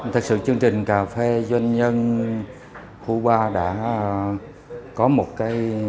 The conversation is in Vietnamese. thật sự chương trình cà phê doanh nhân khu ba đã có một cái